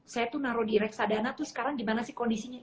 saya tuh naruh di reksadana tuh sekarang gimana sih kondisinya